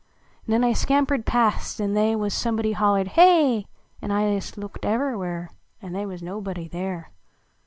Xen I scampered past, an they Was somebody hollered " Hey!" An I ist looked ever where, An they was nobody there.